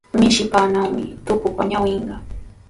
Mishipanawmi tukupa ñawinqa.